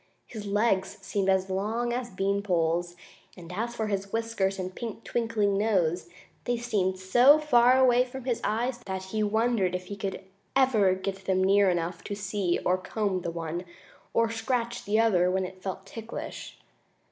His legs seemed as long as bean poles, and as for his whiskers and pink, twinkling nose, they seemed so far away from his eyes that he wondered if he would ever get them near enough to see to comb the one, or scratch the other when it felt ticklish.